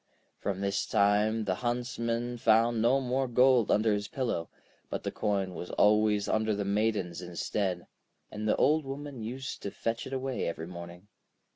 From this time the Huntsman found no more gold under his pillow; but the coin was always under the Maiden's instead, and the Old Woman used to fetch it away every morning.